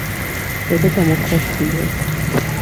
এটা চমৎকার ছিল।